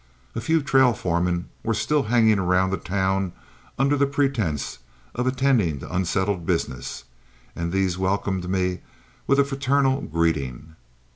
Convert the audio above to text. A few trail foremen were still hanging around the town under the pretense of attending to unsettled business, and these welcomed me with a fraternal greeting.